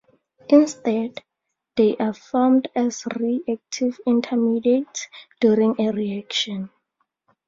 Instead, they are formed as reactive intermediates during a reaction.